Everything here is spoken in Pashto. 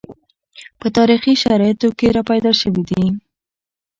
په تاریخي شرایطو کې راپیدا شوي دي